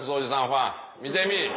ファン見てみぃ。